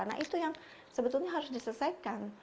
nah itu yang sebetulnya harus diselesaikan